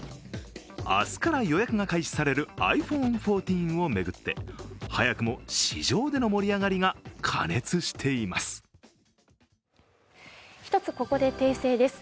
明日から予約が開始されるｉＰｈｏｎｅ１４を巡って早くも市場での盛り上がりが過熱しています。